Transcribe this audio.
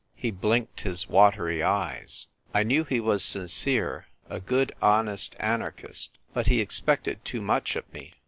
He blinked his watery eyes. I knew he was sincere — a good, honest anarchist ; but he expected too much of me.